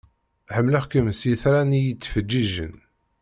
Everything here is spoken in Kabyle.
Ḥemmleɣ-kem s yitran i yettfeǧiǧen.